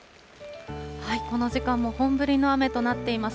この時間も本降りの雨となっています。